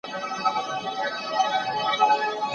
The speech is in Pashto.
که اقتصاد پياوړی وي ټولنه پرمختګ کوي.